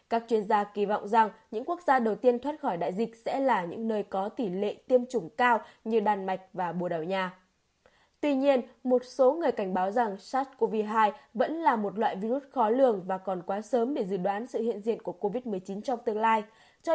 các chuyên gia về bệnh truyền nhiễm cho biết việc loại bỏ covid một mươi chín tức là trong tương lai gần